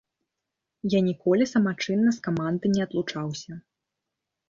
Я ніколі самачынна з каманды не адлучаўся.